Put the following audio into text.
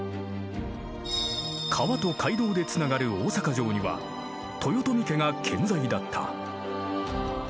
川と街道でつながる大坂城には豊臣家が健在だった。